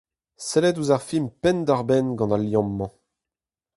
Sellit ouzh ar film penn-da-benn gant al liamm-mañ.